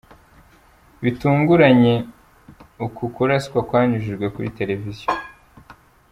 Bitunguranye, uku kuraswa kwanyujijwe kuri televiziyo.